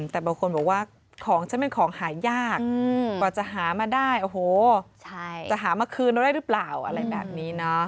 แต่บางคนบอกว่าของฉันเป็นของหายากกว่าจะหามาได้โอ้โหจะหามาคืนเราได้หรือเปล่าอะไรแบบนี้นะ